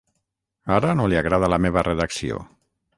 Ara no li agrada la meva redacció.